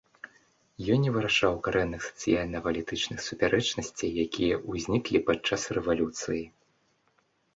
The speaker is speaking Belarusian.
Ён не вырашаў карэнных сацыяльна-палітычных супярэчнасцей, якія ўзніклі падчас рэвалюцыі.